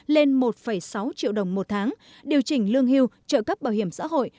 lên một sáu triệu đồng một tháng điều chỉnh lương hưu trợ cấp bảo hiểm xã hội